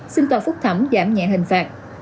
xin tòa phúc thẩm giảm nhẹ hình phạt